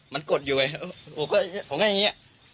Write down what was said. มันกดอยู่ไงผมก็ผมก็อย่างนี้เนี่ย